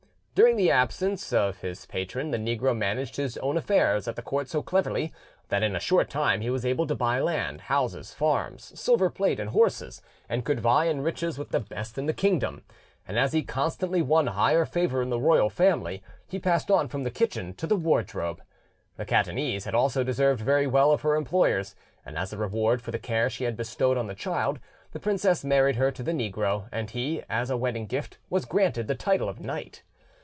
During the absence of his patron the negro managed his own affairs at the court so cleverly, that in a short time he was able to buy land, houses, farms, silver plate, and horses, and could vie in riches with the best in the kingdom; and as he constantly won higher favour in the royal family, he passed on from the kitchen to the wardrobe. The Catanese had also deserved very well of her employers, and as a reward for the care she had bestowed on the child, the princess married her to the negro, and he, as a wedding gift, was granted the title of knight.